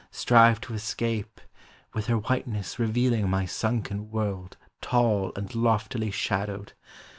Strive to escape; With her whiteness revealing my sunken world Tall and loftily shadowed.